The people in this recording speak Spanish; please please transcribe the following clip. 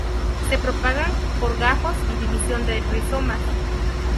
Se propagan por gajos y división de rizomas.